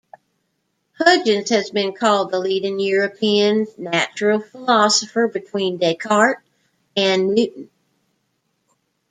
Huygens has been called the leading European natural philosopher between Descartes and Newton.